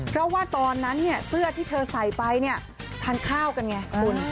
เพราะว่าตอนนั้นเนี่ยเสื้อที่เธอใส่ไปเนี่ยทานข้าวกันไงคุณ